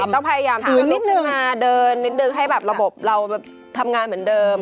ต้องพยายามทำนิดนึงเดินนิดนึงให้แบบระบบเราทำงานเหมือนเดิม